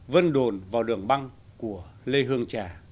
vân đồn vào đường băng của lê hương trà